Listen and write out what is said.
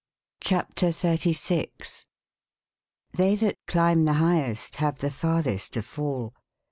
CHAPTER XXXVI They that climb the highest have the farthest to fall.